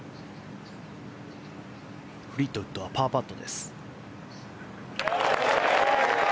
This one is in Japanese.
フリートウッドはパーパットです。